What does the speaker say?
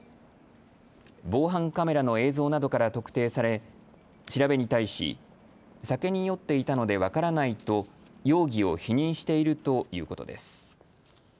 防犯カメラの映像などから特定され調べに対し、酒に酔っていたので分からないと容疑を否認しているということです。